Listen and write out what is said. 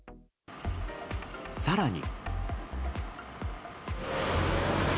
更に。